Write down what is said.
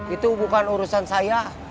itu bukan urusan saya